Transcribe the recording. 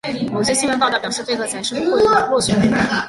某些新闻报道表示贝克曾试图贿选。